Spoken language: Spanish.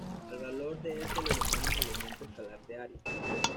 Al valor dS lo llamamos "elemento escalar de área".